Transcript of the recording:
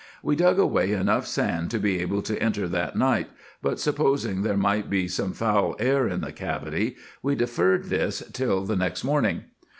We dug away enough sand to be able to enter that night, but supposing there might be some foul air in the cavity, we deferred this till the next morning.